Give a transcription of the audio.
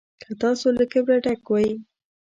که تاسو له کبره ډک وئ.